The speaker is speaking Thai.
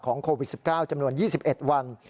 โควิด๑๙จำนวน๒๑วัน